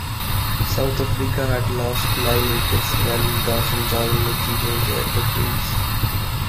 South Africa had lost nine wickets when Dawson joined Nicky Boje at the crease.